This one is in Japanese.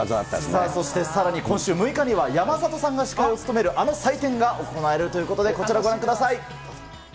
さあそして今週６日には山里さんが司会を務めるあの祭典が行われるということで、こちらご覧ください。